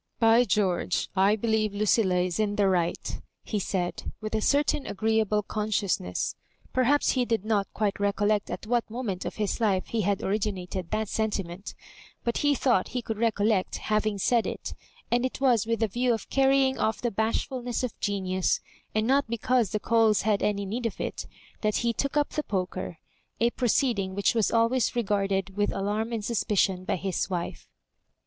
" By George 1 1 believe Lucilla is in the right," he said, with a certain agreeable consciousness. Perhaps he did not quite recollect at what mo ment of his life he had originated that sentiment, but he thought he could recollect havmg said it ; and it was with the view of carrying off the bashfulness of genius, and not because the coals had any need of it, that he took up the poker — a proceeding which was always regarded with alarm and suspicion by his wife.